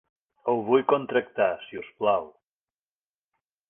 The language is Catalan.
Ho vull contractar, si us plau.